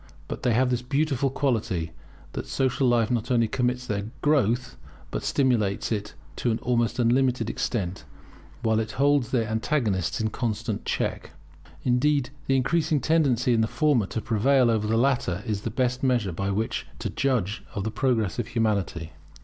But they have this beautiful quality, that social life not only permits their growth, but stimulates it to an almost unlimited extent, while it holds their antagonists in constant check. Indeed the increasing tendency in the former to prevail over the latter is the best measure by which to judge of the progress of Humanity.